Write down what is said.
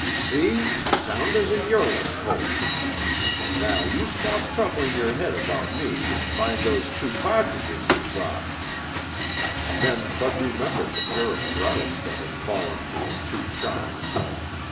"See? Sound as a yearling colt. Now you stop troubling your head about me and find those two pat'tidges you dropped." Then Bud remembered the pair of grouse that had fallen to his two shots.